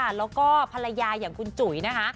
แล้วก็ภรรยาอย่างคุณจุ๋ยนะคะ